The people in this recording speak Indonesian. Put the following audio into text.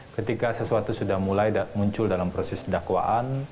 ketika sesuatu sudah mulai muncul dalam proses dakwaan